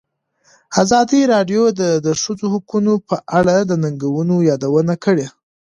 ازادي راډیو د د ښځو حقونه په اړه د ننګونو یادونه کړې.